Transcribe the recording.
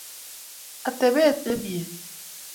Atebet nemie